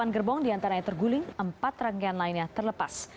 delapan gerbong diantaranya terguling empat rangkaian lainnya terlepas